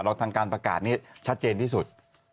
แล้วทางการประกาศนี้ชัดเจนที่สุด